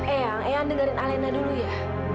eang eang dengerin alena dulu ya